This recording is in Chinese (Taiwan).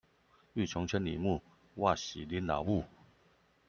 欲窮千里目，哇洗林老木